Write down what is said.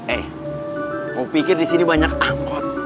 eh kau pikir di sini banyak angkot